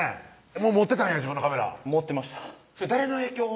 もう持ってたんや自分のカメラ持ってましたそれ誰の影響？